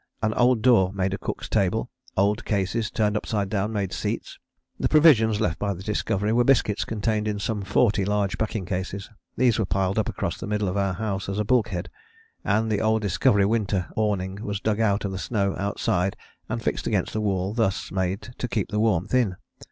An old door made a cook's table, old cases turned upside down made seats. The provisions left by the Discovery were biscuits contained in some forty large packing cases. These we piled up across the middle of our house as a bulkhead and the old Discovery winter awning was dug out of the snow outside and fixed against the wall thus made to keep the warmth in.